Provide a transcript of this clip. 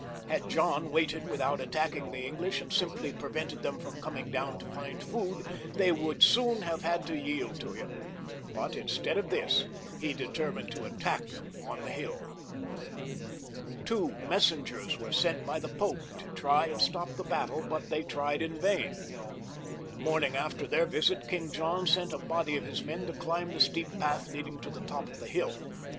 Had John waited without attacking the English, and simply prevented them from coming down to find food, they would soon have had to yield to him ; but in stead of this, he determined to attack them on the hill. Two messengers were sent by the Pope to try and stop the battle; but they tried in vain. The morning after their visit King John sent a body of his men to climb the steep path leading to the top of the hill.